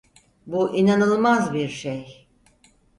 Bu inanılmaz bir şey!